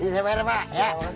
sampai dapat pak